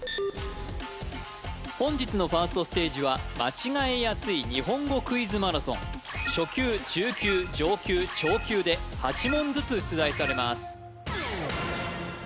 本日のファーストステージは間違えやすい日本語クイズマラソン初級中級上級超級で８問ずつ出題されます